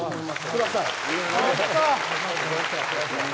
ください。